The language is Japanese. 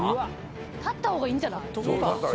立った方がいいんじゃない？